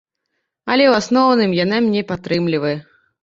Але ў асноўным яна мяне падтрымлівае.